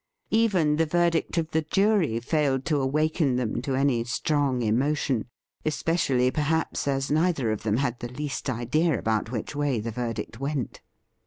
Even the verdict of the jury failed to awaken them to any strong emotion — especially, perhaps, as neither of them had the least idea about which way the verdict went.